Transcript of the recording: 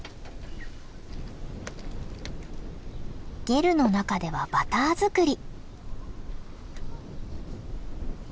ゲルの中ではバター作り。